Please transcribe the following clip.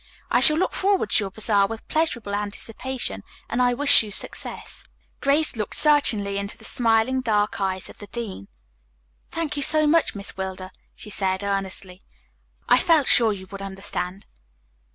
I shall look forward to your bazaar with pleasurable anticipation and I wish you success." Grace looked searchingly into the smiling, dark eyes of the dean. "Thank you so much, Miss Wilder," she said earnestly. "I felt sure you would understand."